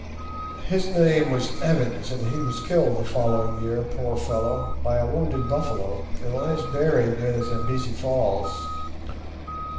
His name was Evans, and he was killed the following year, poor fellow, by a wounded buffalo, and lies buried near the Zambesi Falls.